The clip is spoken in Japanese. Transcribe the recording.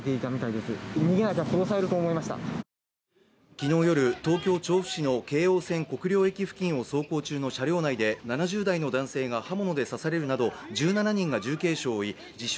昨日夜、東京・調布市の京王線国領駅の付近を走行中の電車内で７０代の男性が刃物で刺されるなど１７人が重軽傷を負い自称